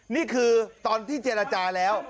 นี่คือตอนที่เจรจาแล้ว